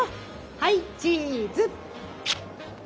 はいチーズ。